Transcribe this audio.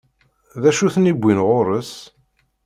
D acu i ten-iwwin ɣur-s?